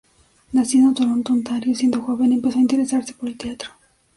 Nacido en Toronto, Ontario, siendo joven empezó a interesarse por el teatro.